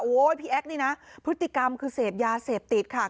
พี่แอ๊กนี่นะพฤติกรรมคือเสพยาเสพติดค่ะ